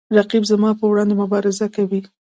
رقیب زما په وړاندې مبارزه کوي